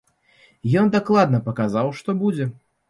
Ён дакладна паказаў, што будзе.